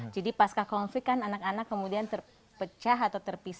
jadi pasca konflik kan anak anak kemudian terpecah atau terpilih